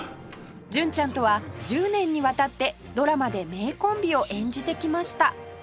純ちゃんとは１０年にわたってドラマで名コンビを演じてきました